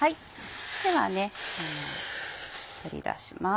では取り出します。